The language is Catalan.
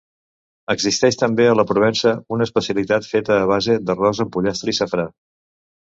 Existeix també a la Provença una especialitat feta a base d'arròs amb pollastre i safrà.